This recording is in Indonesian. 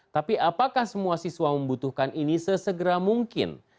tapi apakah semua siswa membutuhkan ini sesegera mungkin